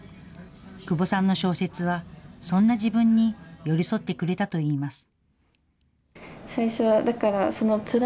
窪さんの小説は、そんな自分に寄り添ってくれたといいます。